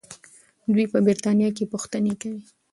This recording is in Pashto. دوی په برتانیا کې پوښتنې کوي.